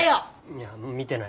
いや見てない。